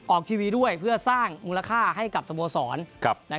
ออกทีวีด้วยเพื่อสร้างมูลค่าให้กับสโมสร